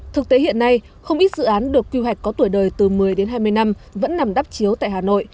thực tế hiện nay không ít dự án được quy hoạch có tuổi đời từ một mươi đến hai mươi năm vẫn nằm đắp chiếu tại hà nội